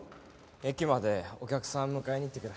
駅までお客さん迎えに行ってくる。